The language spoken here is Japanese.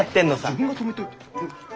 自分が止めといて。